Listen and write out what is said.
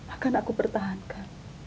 akan aku pertahankan